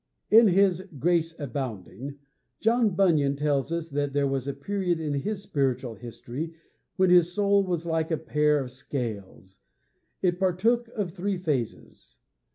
II In his Grace Abounding, John Bunyan tells us that there was a period in his spiritual history when his soul was like a pair of scales. It partook of three phases.